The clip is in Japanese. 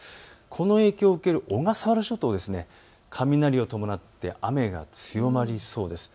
この影響を受ける小笠原諸島、雷を伴って雨が強まりそうです。